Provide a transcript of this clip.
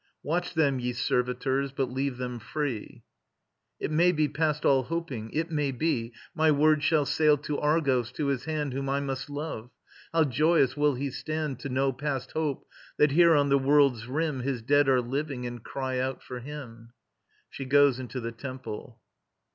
Watch them, ye servitors, but leave them free. It may be, past all hoping, it may be, My word shall sail to Argos, to his hand Whom most I love. How joyous will he stand To know, past hope, that here on the world's rim His dead are living, and cry out for him! [She goes into the Temple.